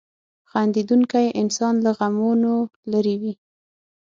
• خندېدونکی انسان له غمونو لرې وي.